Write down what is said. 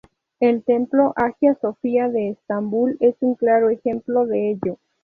El templo Hagia Sofia de Estambul es un claro ejemplo de ello.